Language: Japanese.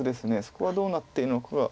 そこがどうなっているのかが。